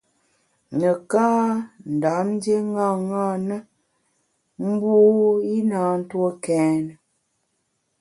Nekâ Ndam ndié ṅaṅâ na, mbu i na ntue kèn.